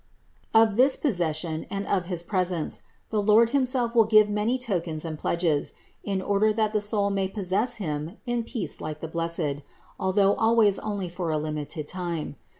Of this possession and of his presence the Lord himself will give many token and pledges, in order that the soul may possess Him in peace like the blessed, although always only for a limited time.